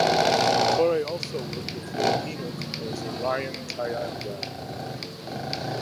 Torre also worked with Filipino composer Ryan Cayabyab.